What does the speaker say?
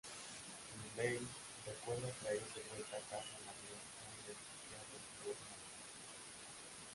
Dudley recuerda traer de vuelta a casa en avión a un desquiciado Borland.